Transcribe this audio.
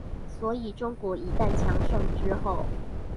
所以中國一旦強盛之後